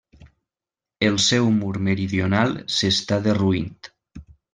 El seu mur meridional s'està derruint.